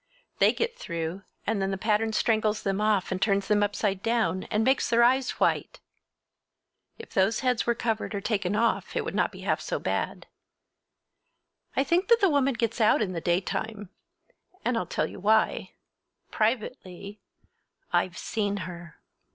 They get through, and then the pattern strangles them off and turns them upside down, and makes their eyes white! If those heads were covered or taken off it would not be half so bad. I think that woman gets out in the daytime! And I'll tell you why—privately—I've seen her!